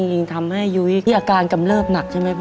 ยิ่งทำให้ยุ้ยที่อาการกำเริบหนักใช่ไหมพ่อ